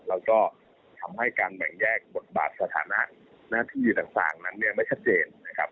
แล้วก็ทำให้การแบ่งแยกบทบาทสถานะหน้าที่อยู่ต่างนั้นไม่ชัดเจน